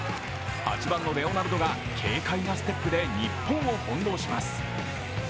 ８番のレオナルドが軽快なステップで日本を翻弄します。